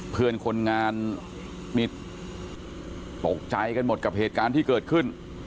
เพื่อนคนงานนี่ตกใจกันหมดกับเหตุการณ์ที่เกิดขึ้น